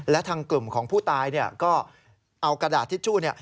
และทางกลุ่มของผู้ตายก็เอากระดาษทิชชู่